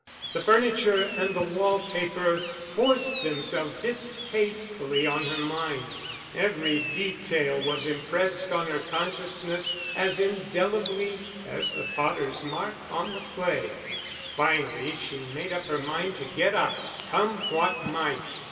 The furniture and the wall paper forced themselves distastefully on her mind. Every detail was impressed on her consciousness as indelibly as the potter's mark on the clay. Finally she made up her mind to get up, come what might.